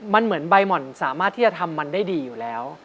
มันเหมือนใบหม่อนสามารถที่จะทำมันได้ดีอยู่แล้ว